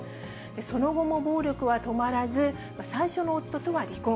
その後も暴力は止まらず、最初の夫とは離婚。